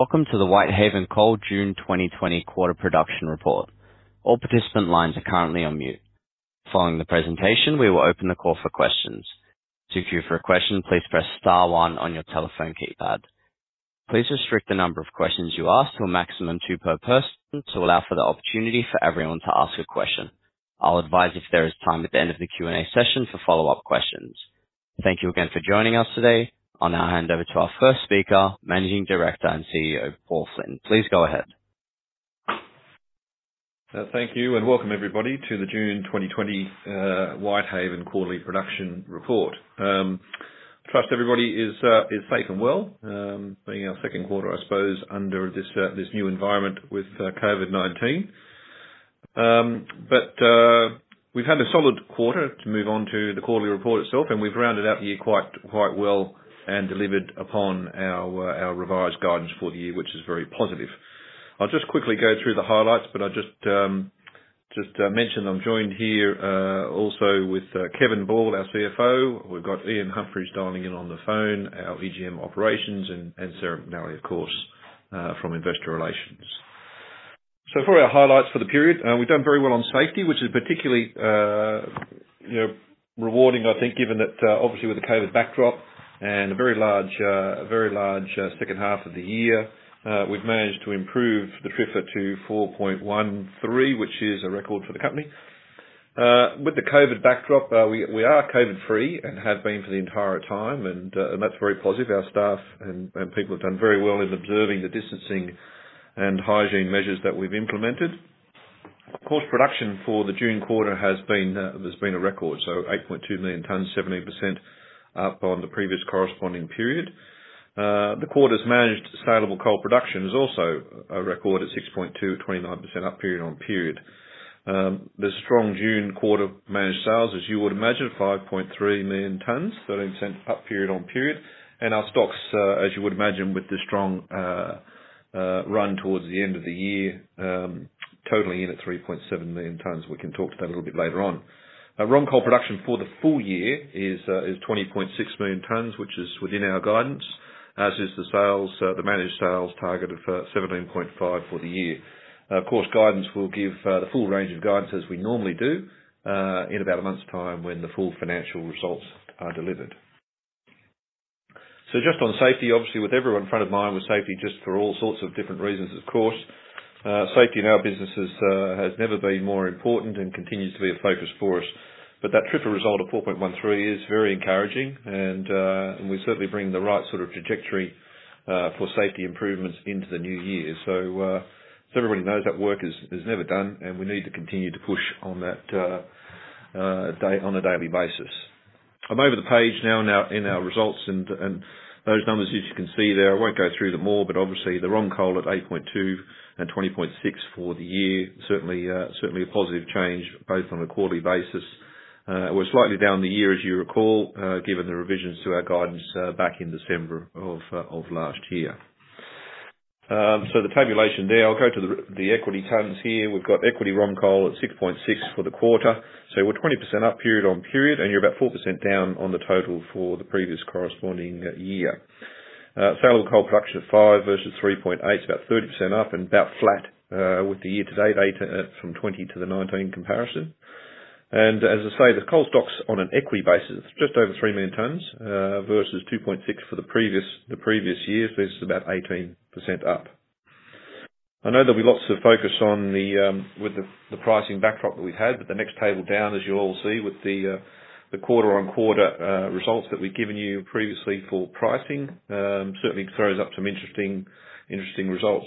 Welcome to the Whitehaven Coal June 2020 quarter production report. All participant lines are currently on mute. Following the presentation, we will open the call for questions. To queue for a question, please press star one on your telephone keypad. Please restrict the number of questions you ask to a maximum of two per person to allow for the opportunity for everyone to ask a question. I'll advise if there is time at the end of the Q&A session for follow-up questions. Thank you again for joining us today. On our handover to our first speaker, Managing Director and CEO Paul Flynn, please go ahead. Thank you and welcome everybody to the June 2020 Whitehaven Coal Q2 production report. I trust everybody is safe and well, being our second quarter, I suppose, under this new environment with COVID-19. But we've had a solid quarter to move on to the quarterly report itself, and we've rounded out the year quite well and delivered upon our revised guidance for the year, which is very positive. I'll just quickly go through the highlights, but I'll just mention I'm joined here also with Kevin Ball, our CFO. We've got Ian Humphris dialing in on the phone, our EGM Operations, and Sarah McNally, of course, from investor relations. So for our highlights for the period, we've done very well on safety, which is particularly rewarding, I think, given that obviously with the COVID backdrop and a very large second half of the year, we've managed to improve the TRIFR to 4.13, which is a record for the company. With the COVID backdrop, we are COVID-free and have been for the entire time, and that's very positive. Our staff and people have done very well in observing the distancing and hygiene measures that we've implemented. Of course, production for the June quarter has been a record, so 8.2 million tons, 70% up on the previous corresponding period. The quarter's managed saleable coal production is also a record at 6.2, 29% up period on period. The strong June quarter managed sales, as you would imagine, 5.3 million tons, 13% up period on period. Our stocks, as you would imagine, with the strong run towards the end of the year, totaling in at 3.7 million tons. We can talk to that a little bit later on. ROM coal production for the full year is 20.6 million tons, which is within our guidance, as is the managed sales target of 17.5 for the year. Of course, we will give the full range of guidance as we normally do in about a month's time when the full financial results are delivered. Just on safety, obviously with everyone having safety front of mind for all sorts of different reasons, of course. Safety in our businesses has never been more important and continues to be a focus for us. That TRIFR result of 4.13 is very encouraging, and we certainly bring the right sort of trajectory for safety improvements into the new year. So everybody knows that work is never done, and we need to continue to push on that on a daily basis. I'm over the page now in our results and those numbers you can see there. I won't go through them all, but obviously ROM coal at 8.2 and 20.6 for the year, certainly a positive change both on a quarterly basis. We're slightly down the year, as you recall, given the revisions to our guidance back in December of last year. So the table there, I'll go to the export terms here. We've got export ROM coal at 6.6 for the quarter. So we're 20% up period on period, and we're about 4% down on the total for the previous corresponding year. Saleable coal production at 5 versus 3.8, about 30% up and about flat with the year-to-date data from 2020 to the 2019 comparison. As I say, the coal stocks on an equity basis is just over 3 million tons versus 2.6 for the previous years. This is about 18% up. I know there'll be lots of focus with the pricing backdrop that we've had, but the next table down, as you'll all see with the quarter-on-quarter results that we've given you previously for pricing, certainly throws up some interesting results.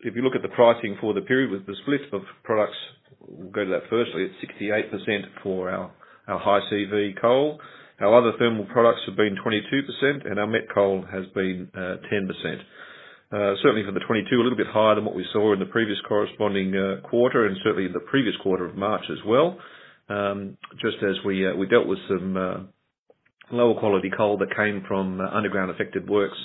If you look at the pricing for the period with the split of products, we'll go to that firstly at 68% for our High CV coal. Our other thermal products have been 22%, and our met coal has been 10%. Certainly for the 2022, a little bit higher than what we saw in the previous corresponding quarter and certainly in the previous quarter of March as well, just as we dealt with some lower quality coal that came from underground affected works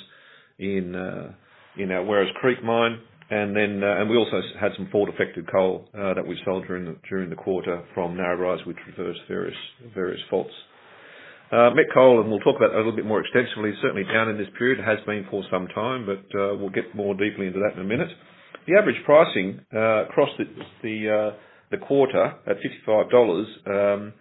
in our Werris Creek mine, and we also had some flood-affected coal that we sold during the quarter from Narrabri, which reversed various faults. Met coal, and we'll talk about that a little bit more extensively, certainly down in this period has been for some time, but we'll get more deeply into that in a minute. The average pricing across the quarter at $55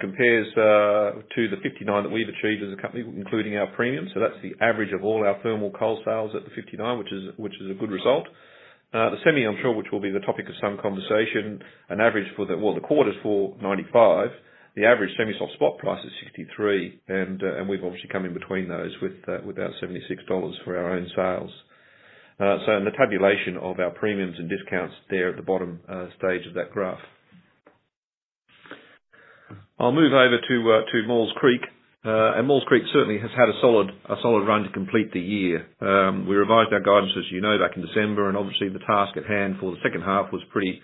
compares to the $59 that we've achieved as a company, including our premium, so that's the average of all our thermal coal sales at the $59, which is a good result. The semi, I'm sure, which will be the topic of some conversation, an average for the quarter is for $95. The average semi-soft spot price is $63, and we've obviously come in between those with about $76 for our own sales. So in the tabulation of our premiums and discounts there at the bottom stage of that graph. I'll move over to Maules Creek, and Maules Creek certainly has had a solid run to complete the year. We revised our guidance, as you know, back in December, and obviously the task at hand for the second half was pretty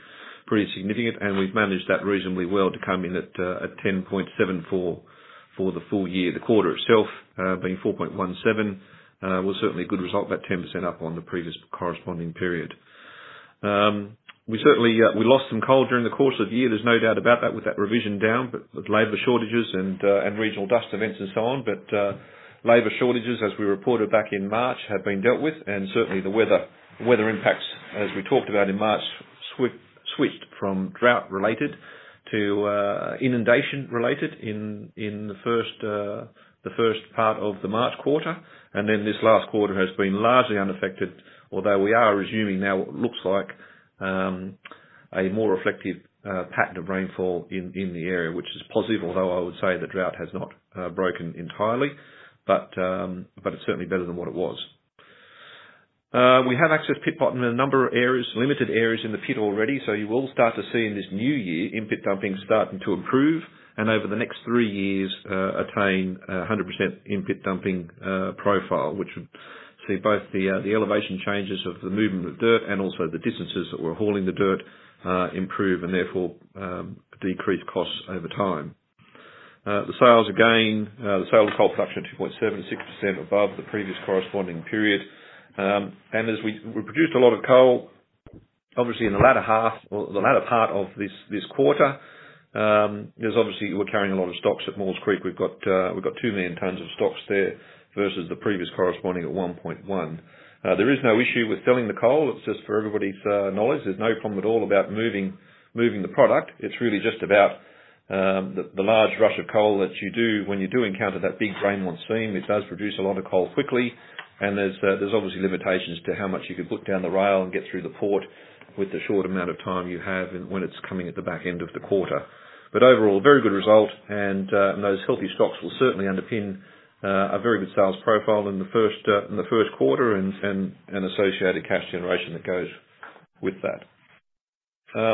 significant, and we've managed that reasonably well to come in at 10.7 for the full year. The quarter itself being 4.17 was certainly a good result, about 10% up on the previous corresponding period. We lost some coal during the course of the year. There's no doubt about that with that revision down, but with labor shortages and regional dust events and so on but labor shortages, as we reported back in March, have been dealt with, and certainly the weather impacts, as we talked about in March, switched from drought-related to inundation-related in the first part of the March quarter and then this last quarter has been largely unaffected, although we are resuming now what looks like a more reflective pattern of rainfall in the area, which is positive, although I would say the drought has not broken entirely, but it's certainly better than what it was. We have access to pit top in a number of areas, limited areas in the pit already, so you will start to see in this new year in pit dumping starting to improve and over the next three years attain 100% in pit dumping profile, which would see both the elevation changes of the movement of dirt and also the distances that we're hauling the dirt improve and therefore decrease costs over time. The sales again, the saleable coal production at 2.7%-6% above the previous corresponding period. We produced a lot of coal, obviously in the latter half or the latter part of this quarter. There's obviously we're carrying a lot of stocks at Maules Creek. We've got two million tons of stocks there versus the previous corresponding at 1.1. There is no issue with selling the coal. It's just for everybody's knowledge. There's no problem at all about moving the product. It's really just about the large rush of coal that you do when you do encounter that big grain once seen. It does produce a lot of coal quickly, and there's obviously limitations to how much you could put down the rail and get through the port with the short amount of time you have when it's coming at the back end of the quarter. But overall, very good result, and those healthy stocks will certainly underpin a very good sales profile in the first quarter and associated cash generation that goes with that.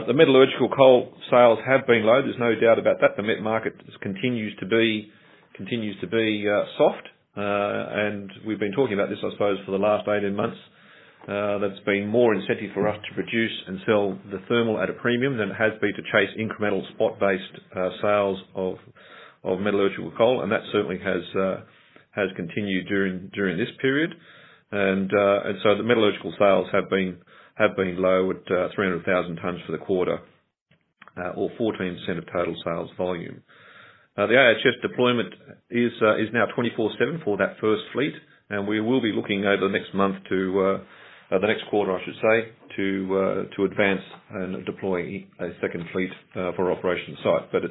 The metallurgical coal sales have been low. There's no doubt about that. The met market continues to be soft, and we've been talking about this, I suppose, for the last 18 months. There's been more incentive for us to produce and sell the thermal at a premium than it has been to chase incremental spot-based sales of metallurgical coal, and that certainly has continued during this period, and so the metallurgical sales have been low at 300,000 tons for the quarter, or 14% of total sales volume. The AHS deployment is now 24/7 for that first fleet, and we will be looking over the next month to the next quarter, I should say, to advance and deploy a second fleet for operation site, but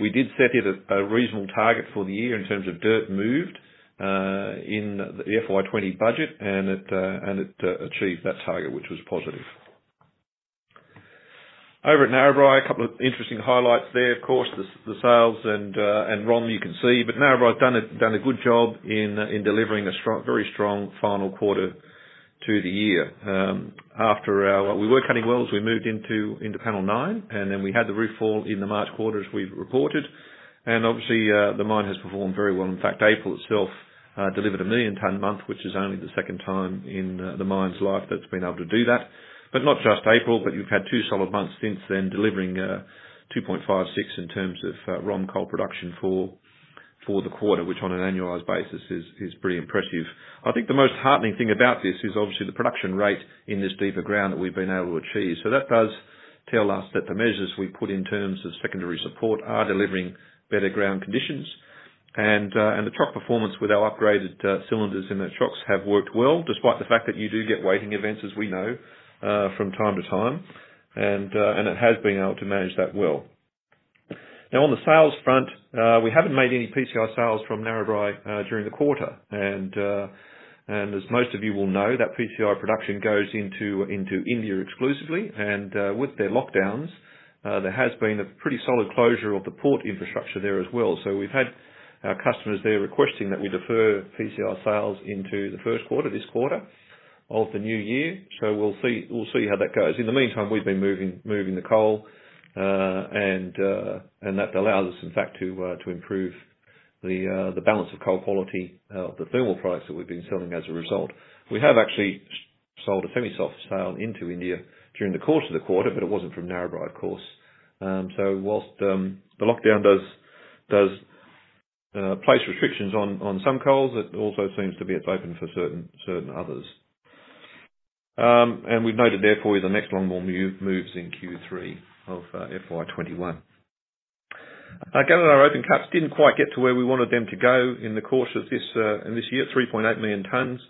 we did set it a reasonable target for the year in terms of dirt moved in the FY20 budget, and it achieved that target, which was positive. Over at Narrabri, a couple of interesting highlights there, of course, the sales and ROM, you can see, but Narrabri has done a good job in delivering a very strong final quarter to the year. After we were cutting webs, we moved into panel nine, and then we had the roof fall in the March quarter as we've reported. Obviously, the mine has performed very well. In fact, April itself delivered a million ton month, which is only the second time in the mine's life that's been able to do that. Not just April, but you've had two solid months since then delivering 2.56 in terms of ROM coal production for the quarter, which on an annualized basis is pretty impressive. I think the most heartening thing about this is obviously the production rate in this deeper ground that we've been able to achieve. That does tell us that the measures we put in terms of secondary support are delivering better ground conditions, and the chock performance with our upgraded cylinders in the chocks have worked well, despite the fact that you do get weighting events, as we know, from time to time, and it has been able to manage that well. Now, on the sales front, we haven't made any PCI sales from Narrabri during the quarter. And as most of you will know, that PCI production goes into India exclusively, and with their lockdowns, there has been a pretty solid closure of the port infrastructure there as well. So we've had our customers there requesting that we defer PCI sales into the first quarter, this quarter of the new year. So we'll see how that goes. In the meantime, we've been moving the coal, and that allows us, in fact, to improve the balance of coal quality of the thermal products that we've been selling as a result. We have actually sold a semi-soft sale into India during the course of the quarter, but it wasn't from Narrabri, of course. So while the lockdown does place restrictions on some coals, it also seems to be open for certain others. And we've noted therefore the next long-haul moves in Q3 of FY21. Again, our open cuts didn't quite get to where we wanted them to go in the course of this year, 3.8 million tons.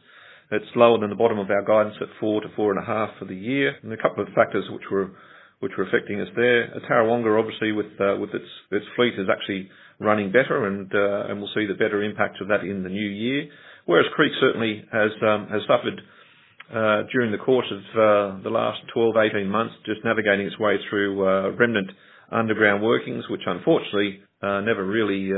It's lower than the bottom of our guidance at 4-4.5 for the year. And a couple of factors which were affecting us there. At Tarrawonga, obviously, with its fleet, is actually running better, and we'll see the better impact of that in the new year. Werris Creek certainly has suffered during the course of the last 12, 18 months, just navigating its way through remnant underground workings, which unfortunately never really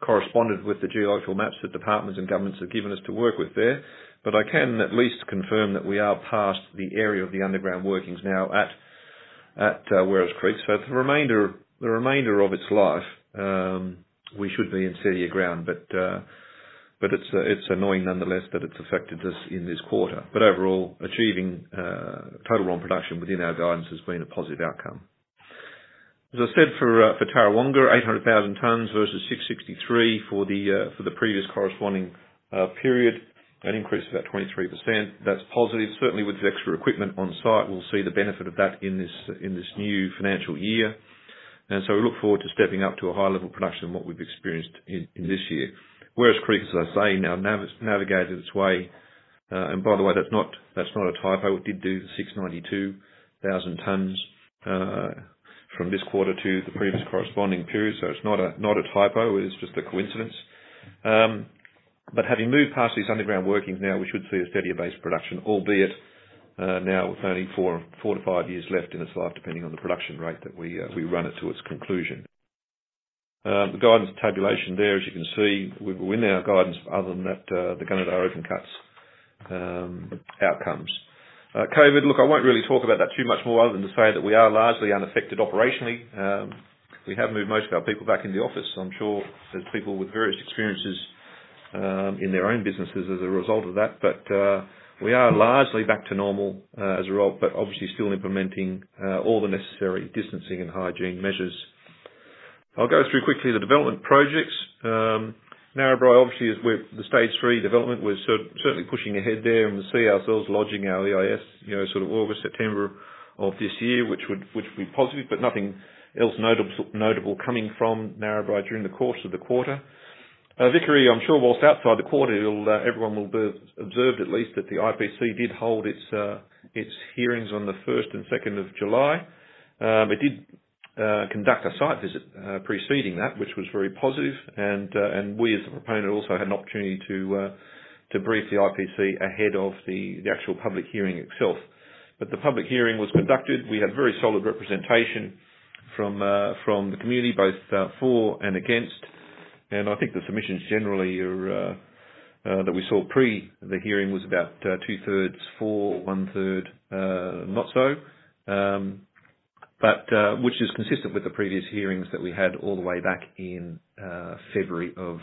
corresponded with the geological maps that departments and governments have given us to work with there. But I can at least confirm that we are past the area of the underground workings now at Werris Creek. So the remainder of its life, we should be in easy ground, but it's annoying nonetheless that it's affected us in this quarter. But overall, achieving total ROM production within our guidance has been a positive outcome. As I said, for Tarrawonga, 800,000 tons versus 663 for the previous corresponding period, an increase of about 23%. That's positive. Certainly, with the extra equipment on site, we'll see the benefit of that in this new financial year. So we look forward to stepping up to a higher level of production than what we've experienced in this year. Werris Creek, as I say, now navigated its way. By the way, that's not a typo. It did do the 692,000 tons from this quarter to the previous corresponding period. So it's not a typo. It is just a coincidence. Having moved past these underground workings now, we should see a steadier base production, albeit now with only four to five years left in its life, depending on the production rate that we run it to its conclusion. The guidance tabulation there, as you can see, we're in our guidance other than that the Gunnedah Open Cuts outcomes. COVID, look, I won't really talk about that too much more other than to say that we are largely unaffected operationally. We have moved most of our people back in the office. I'm sure there's people with various experiences in their own businesses as a result of that. But we are largely back to normal as a result, but obviously still implementing all the necessary distancing and hygiene measures. I'll go through quickly the development projects. Narrabri, obviously, is with the stage three development. We're certainly pushing ahead there and we'll see ourselves lodging our EIS sort of August, September of this year, which would be positive, but nothing else notable coming from Narrabri during the course of the quarter. Vickery, I'm sure whilst outside the quarter, everyone will have observed at least that the IPC did hold its hearings on the 1st and 2nd of July. It did conduct a site visit preceding that, which was very positive. And we, as the proponent, also had an opportunity to brief the IPC ahead of the actual public hearing itself. But the public hearing was conducted. We had very solid representation from the community, both for and against. And I think the submissions generally that we saw pre the hearing was about two-thirds for, one-third not so, which is consistent with the previous hearings that we had all the way back in February of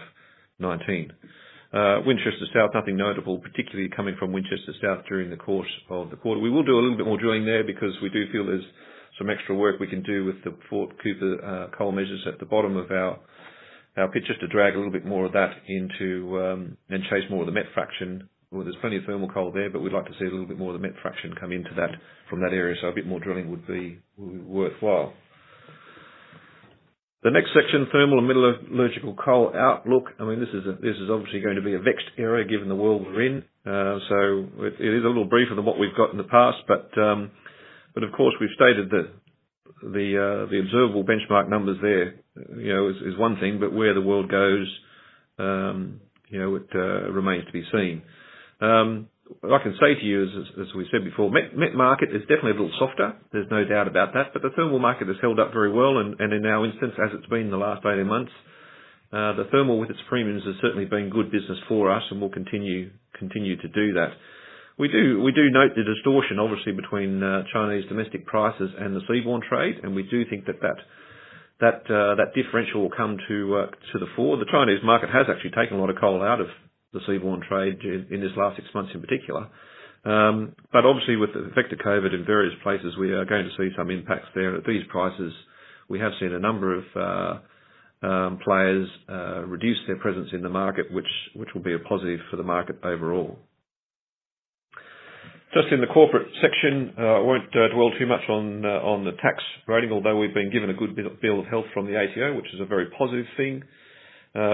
2019. Winchester South, nothing notable, particularly coming from Winchester South during the course of the quarter. We will do a little bit more drilling there because we do feel there's some extra work we can do with the Fort Cooper coal measures at the bottom of our pit just to drag a little bit more of that into and chase more of the met fraction. There's plenty of thermal coal there, but we'd like to see a little bit more of the met fraction come into that from that area. So a bit more drilling would be worthwhile. The next section, thermal and metallurgical coal outlook. I mean, this is obviously going to be a vexed area given the world we're in. So it is a little briefer than what we've got in the past, but of course, we've stated that the observable benchmark numbers there is one thing, but where the world goes remains to be seen. I can say to you, as we said before, met market is definitely a little softer. There's no doubt about that, but the thermal market has held up very well, and in our instance, as it's been the last 18 months, the thermal with its premiums has certainly been good business for us, and we'll continue to do that. We do note the distortion, obviously, between Chinese domestic prices and the seaborne trade, and we do think that that differential will come to the fore. The Chinese market has actually taken a lot of coal out of the seaborne trade in this last six months in particular, but obviously, with the effect of COVID in various places, we are going to see some impacts there. At these prices, we have seen a number of players reduce their presence in the market, which will be a positive for the market overall. Just in the corporate section, I won't dwell too much on the tax rating, although we've been given a good bill of health from the ATO, which is a very positive thing.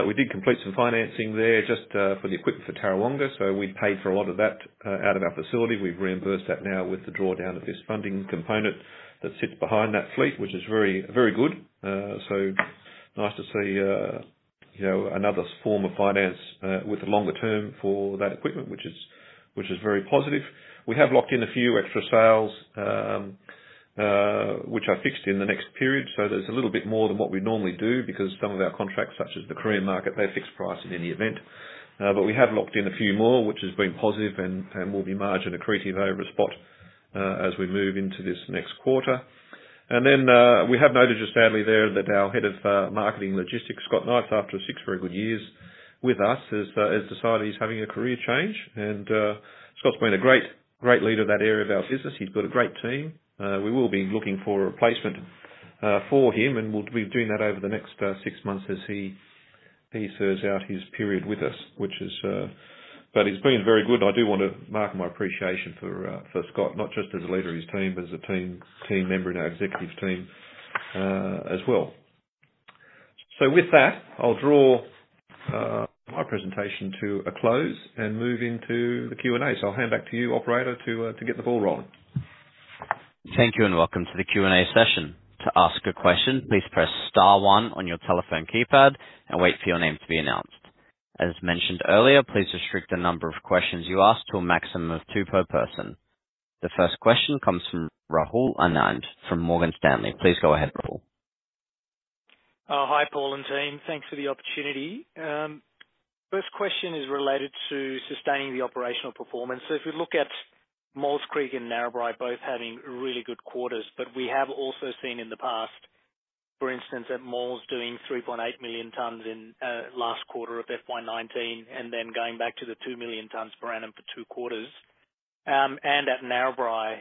We did complete some financing there just for the equipment for Tarrawonga, so we paid for a lot of that out of our facility. We've reimbursed that now with the drawdown of this funding component that sits behind that fleet, which is very good. So nice to see another form of finance with a longer term for that equipment, which is very positive. We have locked in a few extra sales, which are fixed in the next period. So there's a little bit more than what we normally do because some of our contracts, such as the Korean market, they fix price in any event. But we have locked in a few more, which has been positive and will be margin accretive over a spot as we move into this next quarter. And then we have noted, just sadly there, that our Head of Marketing and Logistics, Scott Knights, after six very good years with us, has decided he's having a career change. And Scott's been a great leader of that area of our business. He's got a great team. We will be looking for a replacement for him, and we'll be doing that over the next six months as he serves out his period with us, which is but he's been very good. I do want to mark my appreciation for Scott, not just as a leader of his team, but as a team member in our executive team as well. So with that, I'll draw my presentation to a close and move into the Q&A. So I'll hand back to you, operator, to get the ball rolling. Thank you and welcome to the Q&A session. To ask a question, please press star one on your telephone keypad and wait for your name to be announced. As mentioned earlier, please restrict the number of questions you ask to a maximum of two per person. The first question comes from Rahul Anand from Morgan Stanley. Please go ahead, Rahul. Hi, Paul and team. Thanks for the opportunity. First question is related to sustaining the operational performance. If you look at Maules Creek and Narrabri, both having really good quarters, but we have also seen in the past, for instance, at Maules doing 3.8 million tons in last quarter of FY19 and then going back to the 2 million tons per annum for two quarters. And at Narrabri,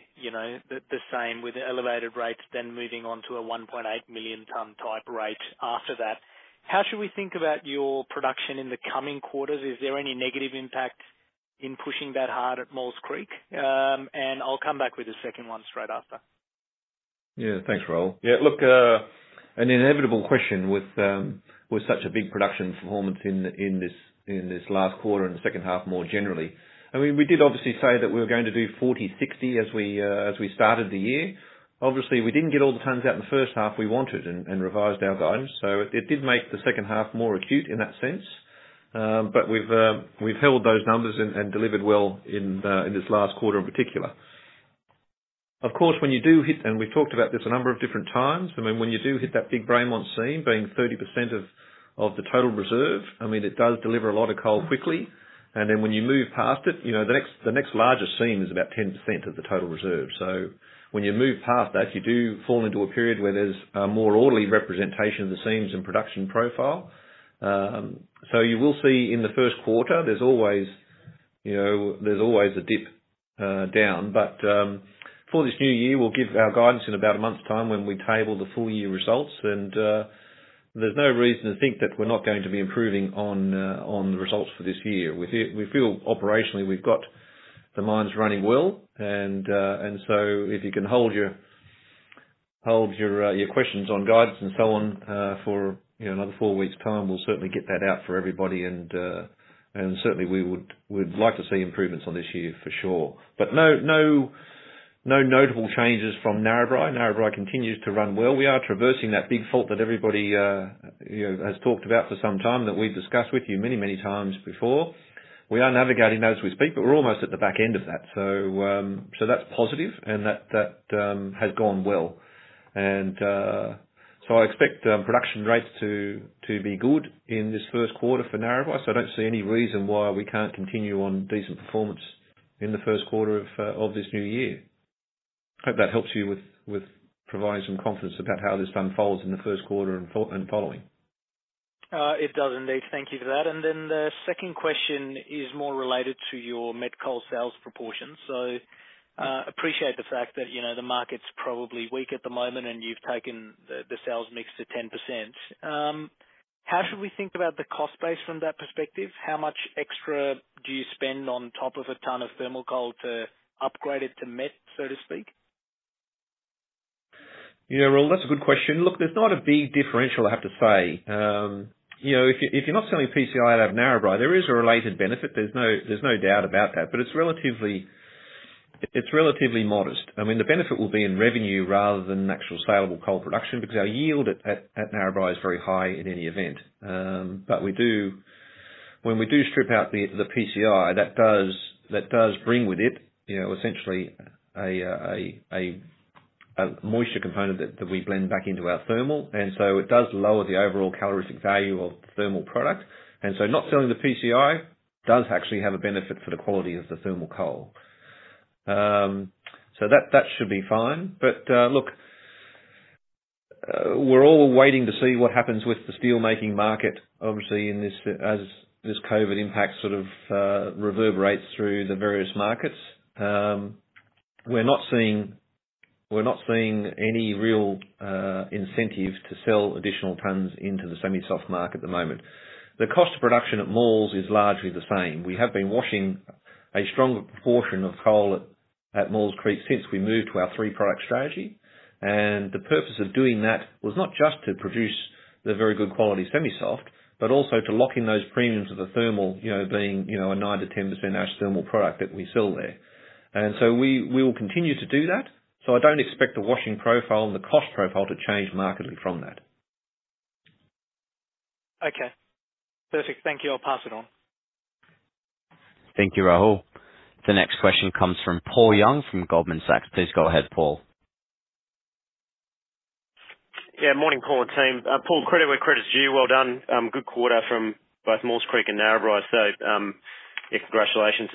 the same with elevated rates, then moving on to a 1.8 million ton type rate after that. How should we think about your production in the coming quarters? Is there any negative impact in pushing that hard at Maules Creek? And I'll come back with the second one straight after. Yeah, thanks, Rahul. Yeah, look, an inevitable question with such a big production performance in this last quarter and the second half more generally. I mean, we did obviously say that we were going to do 40/60 as we started the year. Obviously, we didn't get all the tons out in the first half we wanted and revised our guidance. So it did make the second half more acute in that sense. But we've held those numbers and delivered well in this last quarter in particular. Of course, when you do hit and we've talked about this a number of different times. I mean, when you do hit that big Braymont seam being 30% of the total reserve, I mean, it does deliver a lot of coal quickly, and then when you move past it, the next largest seam is about 10% of the total reserve. So when you move past that, you do fall into a period where there's a more orderly representation of the seams and production profile, so you will see in the first quarter, there's always a dip down, but for this new year, we'll give our guidance in about a month's time when we table the full year results, and there's no reason to think that we're not going to be improving on the results for this year. We feel operationally we've got the mines running well, and so if you can hold your questions on guidance and so on for another four weeks' time, we'll certainly get that out for everybody, and certainly, we would like to see improvements on this year for sure, but no notable changes from Narrabri. Narrabri continues to run well. We are traversing that big fault that everybody has talked about for some time that we've discussed with you many, many times before. We are navigating those we speak, but we're almost at the back end of that. So that's positive, and that has gone well. And so I expect production rates to be good in this first quarter for Narrabri. So I don't see any reason why we can't continue on decent performance in the first quarter of this new year. I hope that helps you with providing some confidence about how this unfolds in the first quarter and following. It does, indeed. Thank you for that. And then the second question is more related to your met coal sales proportions. So appreciate the fact that the market's probably weak at the moment and you've taken the sales mix to 10%. How should we think about the cost base from that perspective? How much extra do you spend on top of a ton of thermal coal to upgrade it to met, so to speak? Yeah, well, that's a good question. Look, there's not a big differential, I have to say. If you're not selling PCI out of Narrabri, there is a related benefit. There's no doubt about that. But it's relatively modest. I mean, the benefit will be in revenue rather than actual saleable coal production because our yield at Narrabri is very high in any event. But when we do strip out the PCI, that does bring with it essentially a moisture component that we blend back into our thermal. And so it does lower the overall calorific value of thermal product. And so not selling the PCI does actually have a benefit for the quality of the thermal coal. So that should be fine. But look, we're all waiting to see what happens with the steelmaking market, obviously, as this COVID impact sort of reverberates through the various markets. We're not seeing any real incentive to sell additional tons into the semi-soft market at the moment. The cost of production at Maules is largely the same. We have been washing a stronger proportion of coal at Maules Creek since we moved to our three-product strategy. And the purpose of doing that was not just to produce the very good quality semi-soft, but also to lock in those premiums of the thermal being a 9%-10% ash thermal product that we sell there. And so we will continue to do that. So I don't expect the washing profile and the cost profile to change markedly from that. Okay. Perfect. Thank you. I'll pass it on. Thank you, Rahul. The next question comes from Paul Young from Goldman Sachs. Please go ahead, Paul. Yeah, morning, Paul and team. Paul, credit where credit's due. Well done. Good quarter from both Maules Creek and Narrabri. So congratulations.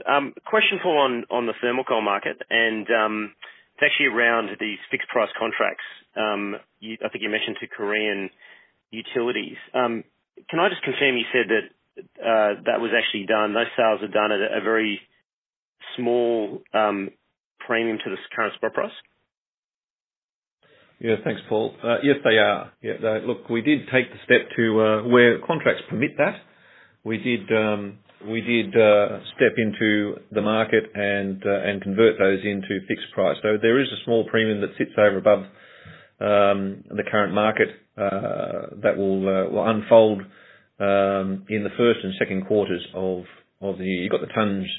Question, Paul, on the thermal coal market. It's actually around these fixed price contracts. I think you mentioned to Korean utilities. Can I just confirm you said that that was actually done? Those sales are done at a very small premium to the current spot price? Yeah, thanks, Paul. Yes, they are. Yeah. Look, we did take the step to where contracts permit that. We did step into the market and convert those into fixed price. So there is a small premium that sits over above the current market that will unfold in the first and second quarters of the year. You've got the tons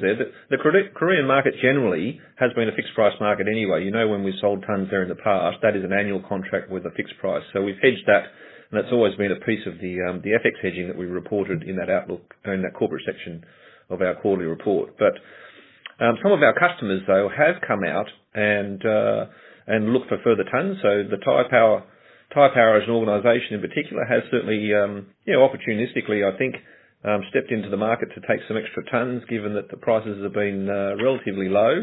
there. The Korean market generally has been a fixed price market anyway. You know when we sold tons there in the past, that is an annual contract with a fixed price. So we've hedged that, and that's always been a piece of the FX hedging that we reported in that outlook and that corporate section of our quarterly report. But some of our customers, though, have come out and looked for further tons. So the Taipower as an organization in particular has certainly, opportunistically, I think, stepped into the market to take some extra tons given that the prices have been relatively low.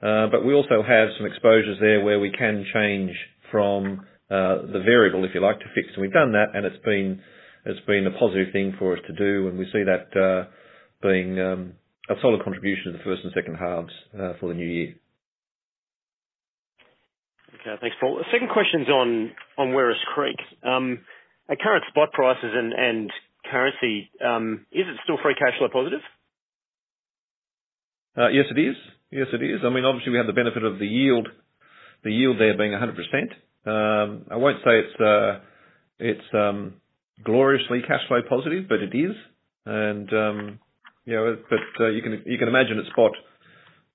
But we also have some exposures there where we can change from the variable, if you like, to fixed. And we've done that, and it's been a positive thing for us to do. And we see that being a solid contribution to the first and second halves for the new year. Okay, thanks, Paul. The second question's on Werris Creek. At current spot prices and currency, is it still free cash flow positive? Yes, it is. Yes, it is. I mean, obviously, we have the benefit of the yield there being 100%. I won't say it's gloriously cash flow positive, but it is. And you can imagine at spot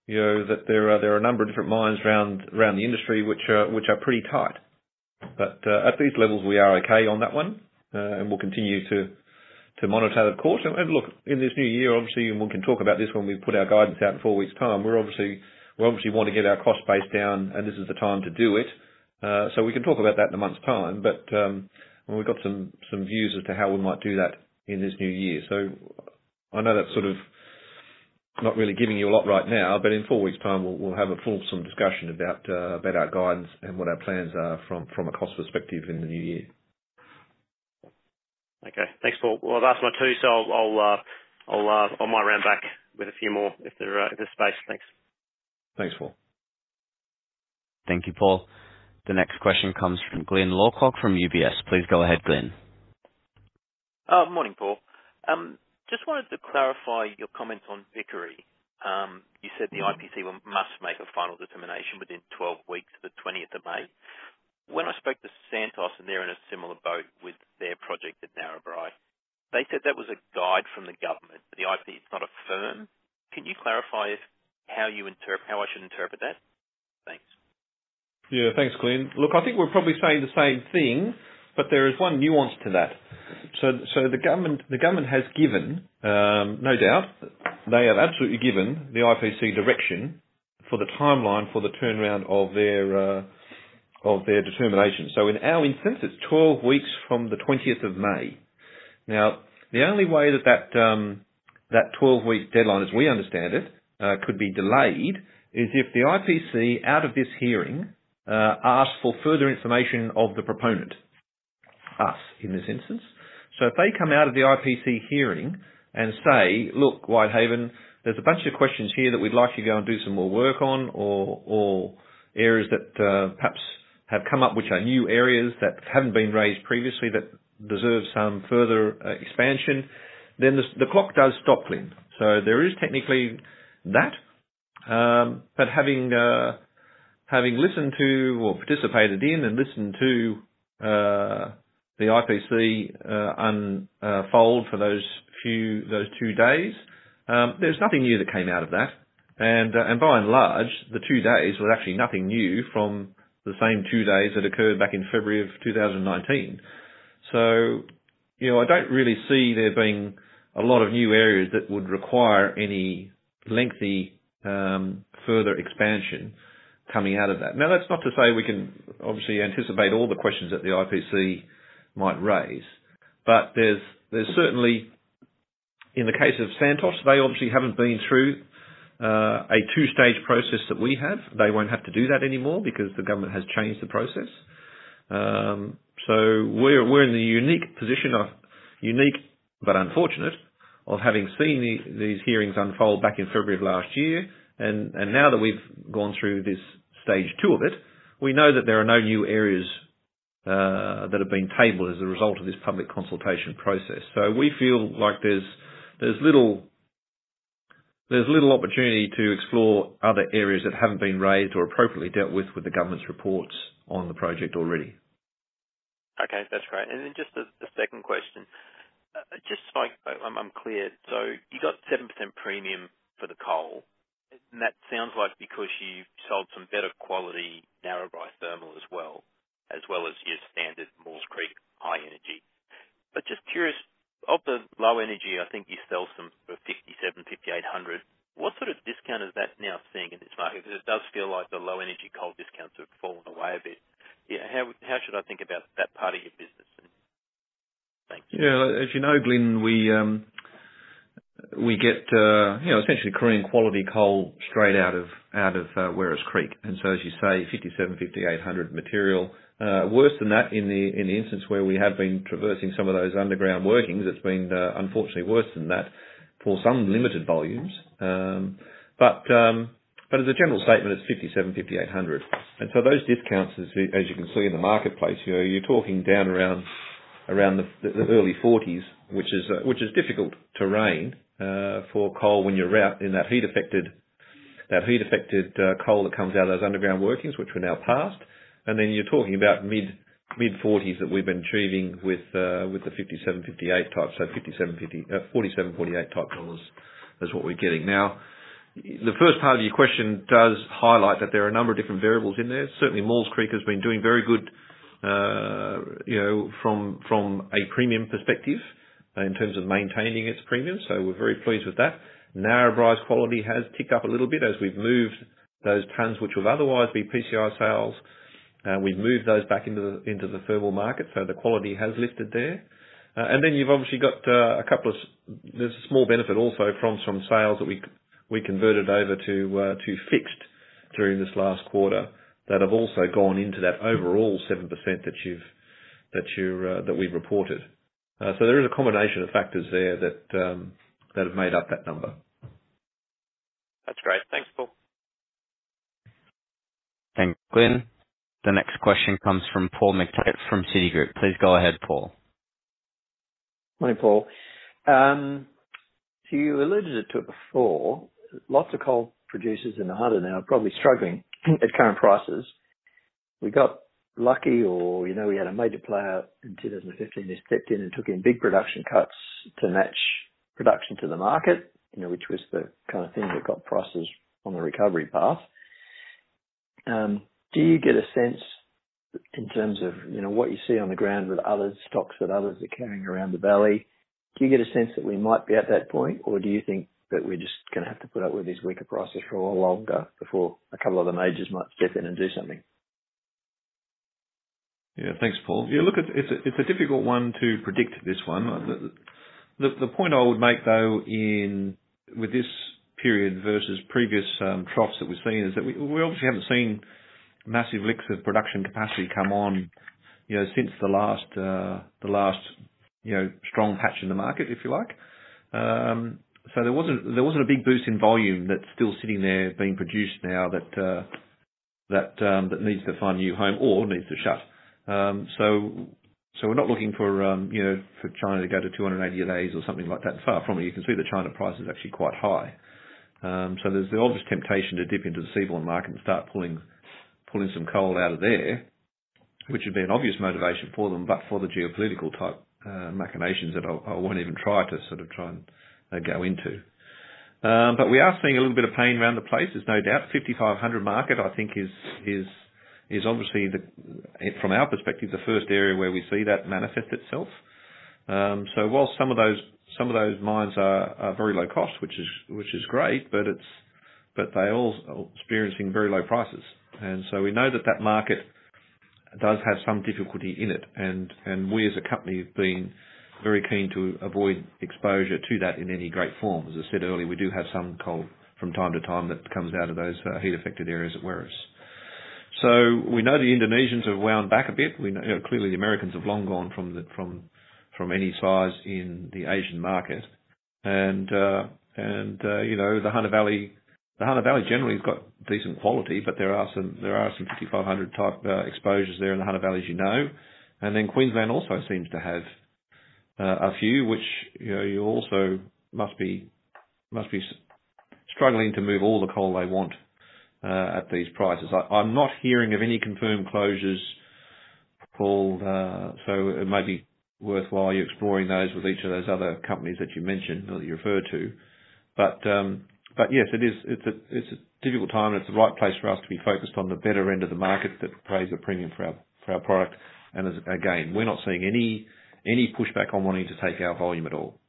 that there are a number of different mines around the industry which are pretty tight. But at these levels, we are okay on that one, and we'll continue to monitor that, of course. And look, in this new year, obviously, and we can talk about this when we put our guidance out in four weeks' time. We obviously want to get our cost base down, and this is the time to do it. So we can talk about that in a month's time. But we've got some views as to how we might do that in this new year. I know that's sort of not really giving you a lot right now, but in four weeks' time, we'll have a full-on discussion about our guidance and what our plans are from a cost perspective in the new year. Okay, thanks, Paul. Well, I've asked my two, so I might round back with a few more if there's space. Thanks. Thanks, Paul. Thank you, Paul. The next question comes from Glyn Lawcock from UBS. Please go ahead, Glyn. Morning, Paul. Just wanted to clarify your comments on Vickery. You said the IPC must make a final determination within 12 weeks of the 20th of May. When I spoke to Santos, and they're in a similar boat with their project at Narrabri, they said that was a guide from the government. The IPC's not a firm. Can you clarify how I should interpret that? Thanks. Yeah, thanks, Glyn. Look, I think we're probably saying the same thing, but there is one nuance to that. So the government has given, no doubt, they have absolutely given the IPC direction for the timeline for the turnaround of their determination. So in our instance, it's 12 weeks from the 20th of May. Now, the only way that that 12-week deadline, as we understand it, could be delayed is if the IPC, out of this hearing, asks for further information of the proponent, us in this instance. So if they come out of the IPC hearing and say, "Look, Whitehaven, there's a bunch of questions here that we'd like you to go and do some more work on," or areas that perhaps have come up, which are new areas that haven't been raised previously that deserve some further expansion, then the clock does stop, Glyn. So there is technically that. But having listened to or participated in and listened to the IPC unfold for those two days, there's nothing new that came out of that. And by and large, the two days were actually nothing new from the same two days that occurred back in February of 2019. So I don't really see there being a lot of new areas that would require any lengthy further expansion coming out of that. Now, that's not to say we can obviously anticipate all the questions that the IPC might raise. But there's certainly, in the case of Santos, they obviously haven't been through a two-stage process that we have. They won't have to do that anymore because the government has changed the process. So we're in the unique position of, but unfortunate, having seen these hearings unfold back in February of last year. And now that we've gone through this stage two of it, we know that there are no new areas that have been tabled as a result of this public consultation process. So we feel like there's little opportunity to explore other areas that haven't been raised or appropriately dealt with the government's reports on the project already. Okay, that's great. And then just the second question. Just so I'm clear, so you got 7% premium for the coal. And that sounds like because you sold some better quality Narrabri thermal as well as your standard Maules Creek high energy. But just curious, of the low energy, I think you sell some for 57, 58 hundred. What sort of discount is that now seeing in this market? Because it does feel like the low energy coal discounts have fallen away a bit. How should I think about that part of your business? Thanks. Yeah, as you know, Glyn, we get essentially Korean quality coal straight out of Werris Creek, and so, as you say, 57, 58 hundred material. Worse than that, in the instance where we have been traversing some of those underground workings, it's been unfortunately worse than that for some limited volumes, but as a general statement, it's 57, 58 hundred, and so those discounts, as you can see in the marketplace, you're talking down around the early 40s, which is difficult to realize for coal when you're out in that heat-affected coal that comes out of those underground workings, which we're now past, and then you're talking about mid-40s that we've been achieving with the 57, 58 type, so 47-48 type coal is what we're getting now. The first part of your question does highlight that there are a number of different variables in there. Certainly, Maules Creek has been doing very good from a premium perspective in terms of maintaining its premium. So we're very pleased with that. Narrabri's quality has ticked up a little bit as we've moved those tons, which would otherwise be PCI sales. We've moved those back into the thermal market. So the quality has lifted there. And then you've obviously got a couple of. There's a small benefit also from some sales that we converted over to fixed during this last quarter that have also gone into that overall 7% that we've reported. So there is a combination of factors there that have made up that number. That's great. Thanks, Paul. Thank you, Glyn. The next question comes from Paul McTaggart from Citigroup. Please go ahead, Paul. Morning, Paul. So you alluded to it before. Lots of coal producers in the Hunter now are probably struggling at current prices. We got lucky, or we had a major player in 2015 who stepped in and took in big production cuts to match production to the market, which was the kind of thing that got prices on the recovery path. Do you get a sense in terms of what you see on the ground with other stocks that others are carrying around the valley? Do you get a sense that we might be at that point, or do you think that we're just going to have to put up with these weaker prices for a while longer before a couple of the majors might step in and do something? Yeah, thanks, Paul. Yeah, look, it's a difficult one to predict this one. The point I would make, though, with this period versus previous troughs that we've seen is that we obviously haven't seen massive leaks of production capacity come on since the last strong patch in the market, if you like. So there wasn't a big boost in volume that's still sitting there being produced now that needs to find a new home or needs to shut. So we're not looking for China to go to 280 days or something like that. And far from it. You can see the China price is actually quite high. There's the obvious temptation to dip into the seaboard market and start pulling some coal out of there, which would be an obvious motivation for them, but for the geopolitical type machinations that I won't even try to sort of go into. We are seeing a little bit of pain around the place. There's no doubt. The 5500 market, I think, is obviously, from our perspective, the first area where we see that manifest itself. While some of those mines are very low cost, which is great, but they're all experiencing very low prices. We know that that market does have some difficulty in it. We, as a company, have been very keen to avoid exposure to that in any great form. As I said earlier, we do have some coal from time to time that comes out of those heat-affected areas at Werris Creek. So we know the Indonesians have wound back a bit. Clearly, the Americans have long gone from any size in the Asian market. And the Hunter Valley generally has got decent quality, but there are some 5500 type exposures there in the Hunter Valley as you know. And then Queensland also seems to have a few, which you also must be struggling to move all the coal they want at these prices. I'm not hearing of any confirmed closures, Paul, so it might be worthwhile you exploring those with each of those other companies that you mentioned or that you referred to. But yes, it's a difficult time, and it's the right place for us to be focused on the better end of the market that pays a premium for our product. And again, we're not seeing any pushback on wanting to take our volume at all.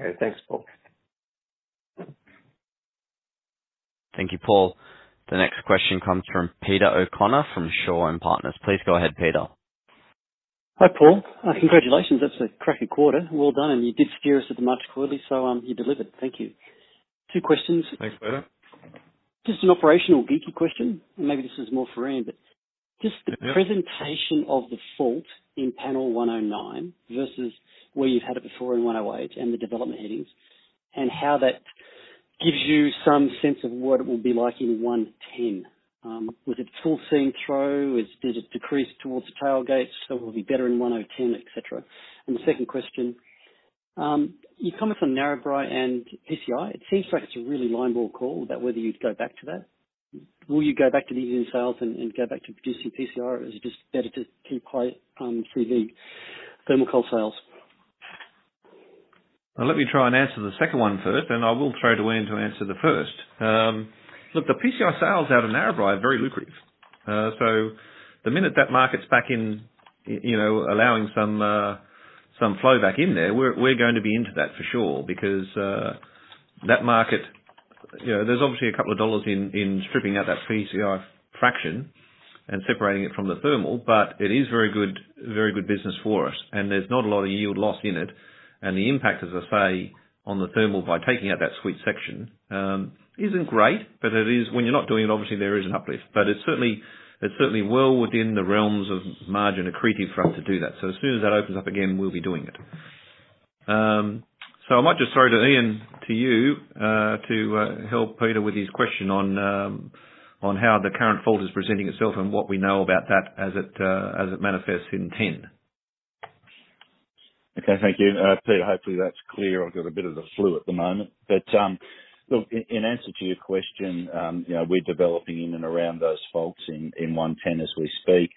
Okay, thanks, Paul. Thank you, Paul. The next question comes from Peter O'Connor from Shaw and Partners. Please go ahead, Peter. Hi, Paul. Congratulations. That's a cracking quarter. Well done. And you did steer us at the March quarterly, so you delivered. Thank you. Two questions. Thanks, Peter. Just an operational geeky question. And maybe this is more for Ian, but just the presentation of the fault in panel 109 versus where you've had it before in 108 and the development headings, and how that gives you some sense of what it will be like in 110. Was it full seam throw? Did it decrease towards the tailgates? So it will be better in 1010, etc. And the second question, your comments on Narrabri and PCI, it seems like it's a really line ball call about whether you'd go back to that. Will you go back to the unit sales and go back to producing PCI, or is it just better to keep high CV thermal coal sales? Let me try and answer the second one first, and I will throw to Ian to answer the first. Look, the PCI sales out of Narrabri are very lucrative. So the minute that market's back in allowing some flow back in there, we're going to be into that for sure because that market, there's obviously a couple of dollars in stripping out that PCI fraction and separating it from the thermal, but it is very good business for us. And there's not a lot of yield loss in it. And the impact, as I say, on the thermal by taking out that sweet section isn't great, but when you're not doing it, obviously, there is an uplift. But it's certainly well within the realms of margin accretive for us to do that. So as soon as that opens up again, we'll be doing it. So I might just throw to Ian, to you, to help Peter with his question on how the current fault is presenting itself and what we know about that as it manifests in 10. Okay, thank you. Peter, hopefully that's clear. I've got a bit of the flu at the moment. But look, in answer to your question, we're developing in and around those faults in 110 as we speak.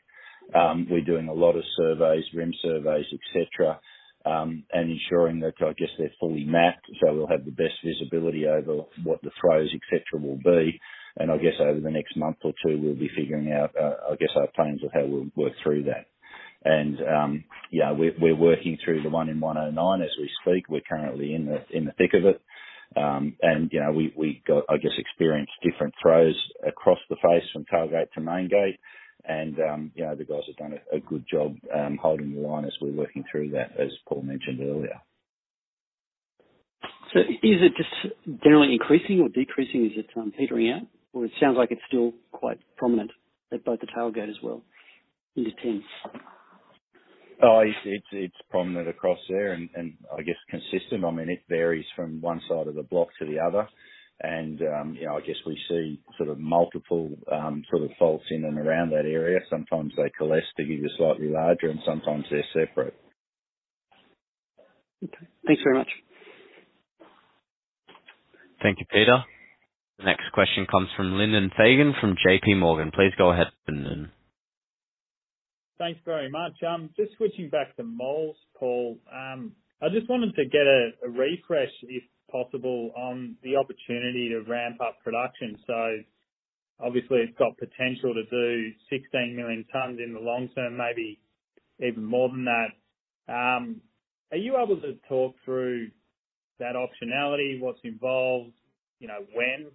We're doing a lot of surveys, rim surveys, etc., and ensuring that, I guess, they're fully mapped so we'll have the best visibility over what the throws, etc., will be. And I guess over the next month or two, we'll be figuring out, I guess, our plans of how we'll work through that. And we're working through the one in 109 as we speak. We're currently in the thick of it. And we got, I guess, experienced different throws across the face from tailgate to main gate. And the guys have done a good job holding the line as we're working through that, as Paul mentioned earlier. So is it just generally increasing or decreasing? Is it some petering out? Or it sounds like it's still quite prominent at both the tailgate as well into 10. It's prominent across there and, I guess, consistent. I mean, it varies from one side of the block to the other. And I guess we see sort of multiple sort of faults in and around that area. Sometimes they coalesce to give you slightly larger, and sometimes they're separate. Okay, thanks very much. Thank you, Peter. The next question comes from Lyndon Fagan from J.P. Morgan. Please go ahead, Lyndon. Thanks very much. Just switching back to Maules, Paul. I just wanted to get a refresh, if possible, on the opportunity to ramp up production. So obviously, it's got potential to do 16 million tons in the long term, maybe even more than that. Are you able to talk through that optionality, what's involved, when?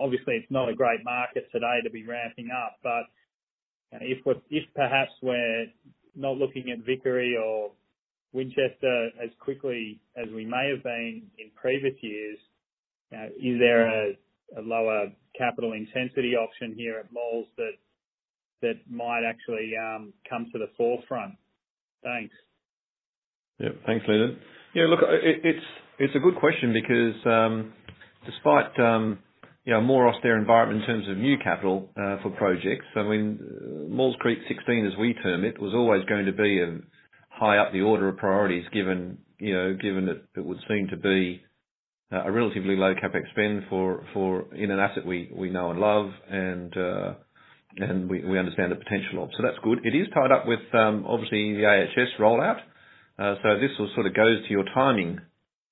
Obviously, it's not a great market today to be ramping up, but if perhaps we're not looking at Vickery or Winchester as quickly as we may have been in previous years, is there a lower capital intensity option here at Maules that might actually come to the forefront? Thanks. Yeah, thanks, Lyndon. Yeah, look, it's a good question because despite more austere environment in terms of new capital for projects, I mean, Maules Creek 16, as we term it, was always going to be a high up the order of priorities given that it would seem to be a relatively low CapEx spend in an asset we know and love, and we understand the potential of. So that's good. It is tied up with, obviously, the AHS rollout. So this sort of goes to your timing